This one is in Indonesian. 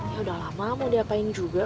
ya udah lama mau diapain juga